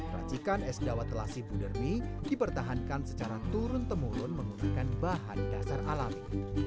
racikan es dawet telasi budermi dipertahankan secara turun temurun menggunakan bahan dasar alami